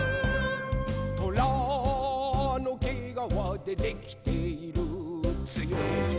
「とらのけがわでできているつよいぞ」